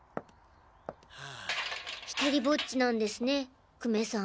ひとりぼっちなんですね久米さん。